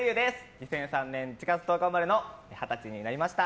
２００３年１月１０日生まれの二十歳になりました。